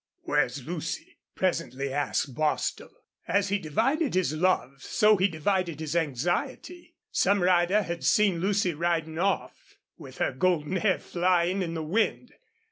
"Where's Lucy?" presently asked Bostil. As he divided his love, so he divided his anxiety. Some rider had seen Lucy riding off, with her golden hair flying in the wind.